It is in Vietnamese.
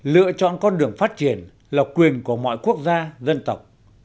lựa chọn con đường phát triển là quyền của mọi quốc gia dân tộc